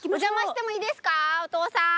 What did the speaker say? お父さん。